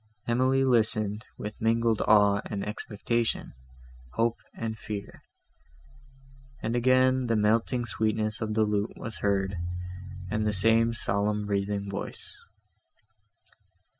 Emily listened, with mingled awe and expectation, hope and fear; and again the melting sweetness of the lute was heard, and the same solemn breathing voice.